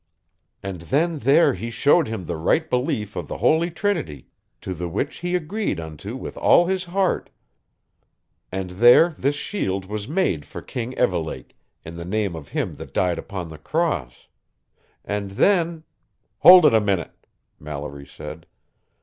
And then there he showed him the right belief of the Holy Trinity, to the which he agreed unto with all his heart; and there this shield was made for King Evelake, in the name of Him that died upon the Cross. And then " "Hold it a minute," Mallory said.